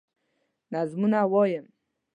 نظمونه وايم